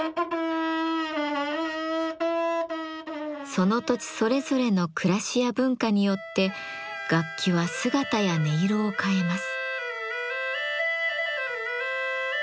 その土地それぞれの暮らしや文化によって楽器は姿や音色を変えます。